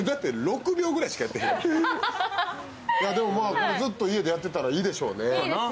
これずっと家でやってたらいいでしょうね。